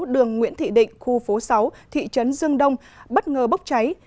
đường nguyễn thị định khu phố sáu thị trấn dương đông bất ngờ bốc cháy